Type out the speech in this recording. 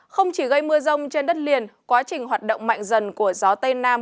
không chỉ gây mưa rông trên đất liền quá trình hoạt động mạnh dần của gió tây nam